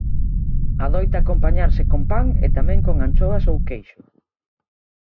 Adoita acompañarse con pan, e tamén con anchoas ou queixo.